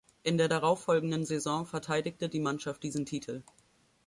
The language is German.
In der darauffolgenden Saison verteidigte die Mannschaft diesen Titel.